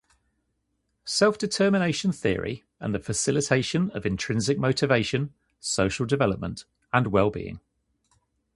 Self-determination theory and the facilitation of intrinsic motivation, social development, and well-being.